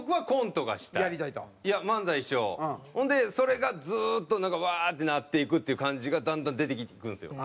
ほんでそれがずっとウワーってなっていくっていう感じがだんだん出てくるんですよ。